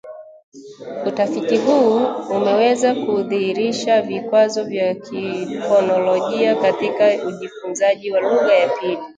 utafiti huu umeweza kudhihirisha vikwazo vya kifonolojia katika ujifunzaji wa lugha ya pili